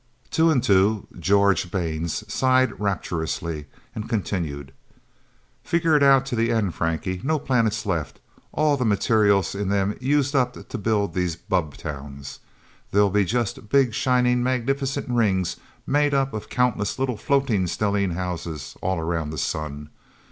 Two and Two (George) Baines sighed rapturously and continued. "Figure it out to the end, Frankie. No planets left all the materials in them used up to build these bubbtowns. There'll be just big shining, magnificent rings made up of countless little floating stellene houses all around the sun.